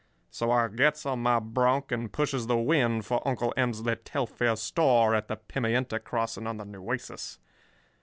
So, I gets on my bronc and pushes the wind for Uncle Emsley Telfair's store at the Pimienta Crossing on the Nueces.